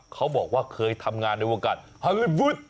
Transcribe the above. เขาบอกว่าเคยทำงานในวงการฮารุท